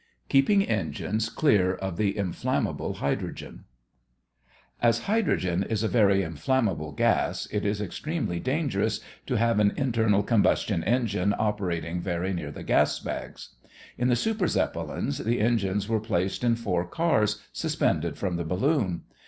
KEEPING ENGINES CLEAR OF THE INFLAMMABLE HYDROGEN As hydrogen is a very inflammable gas, it is extremely dangerous to have an internal combustion engine operating very near the gas bags. In the super Zeppelins the engines were placed in four cars suspended from the balloon.